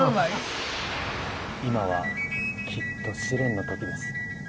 今はきっと試練のときです。